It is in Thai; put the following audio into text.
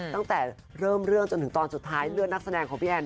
ตั้งแต่เริ่มเรื่องจนถึงตอนสุดท้ายเลือดนักแสดงของพี่แอน